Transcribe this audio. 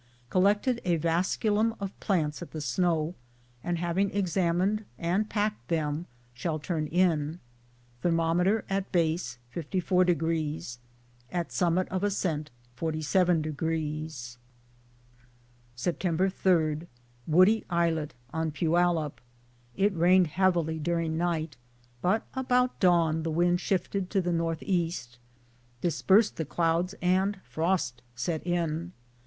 Collected a vasculum of plants at the snow, and having examined and packed them shall turn in. Thermometer at base, 54 deg., at summit of ascent, 47 deg. Sept. 3. Woody islet on Poyallip. It rained heavily during night, but about dawn the wind shift ing to the N. E. dispersed the clouds and frost set in.